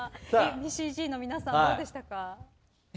Ａ．Ｂ．Ｃ‐Ｚの皆さんどうでしたか？